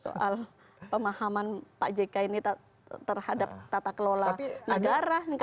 soal pemahaman pak jk ini terhadap tata kelola negara